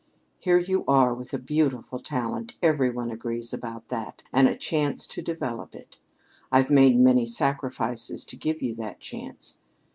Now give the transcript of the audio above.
Here you are with a beautiful talent every one agrees about that and a chance to develop it. I've made many sacrifices to give you that chance.